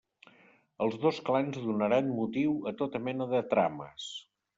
Els dos clans donaran motiu a tota mena de trames.